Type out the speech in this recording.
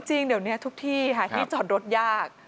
จริงเดี๋ยวนี้ทุกที่ค่ะที่จอดรถยาก